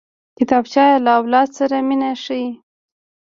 کتابچه له اولاد سره مینه ښيي